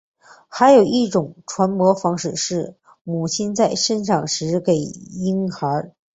还有另一种传播方式是母亲在生产时给婴孩。